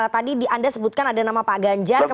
tadi anda sebutkan ada nama pak ganjar